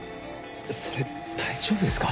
それ大丈夫ですか？